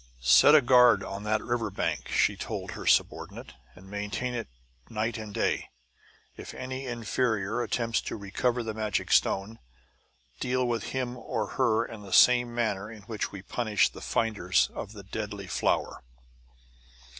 "Set a guard on that river bank," she told her subordinate, "and maintain it night and day. If any inferior attempts to recover the magic stone, deal with him or her in the same manner in which we punished the finders of the deadly flower."